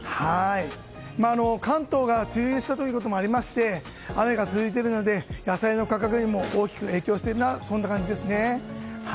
関東が梅雨入りしたということもありまして雨が続いているので野菜の価格にも大きく影響しているそんな感じですね。